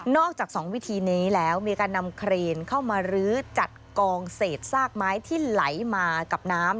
อกจาก๒วิธีนี้แล้วมีการนำเครนเข้ามารื้อจัดกองเศษซากไม้ที่ไหลมากับน้ำ